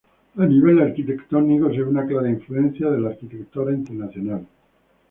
A nivel arquitectónico, se ve una clara influencia de la arquitectura internacional.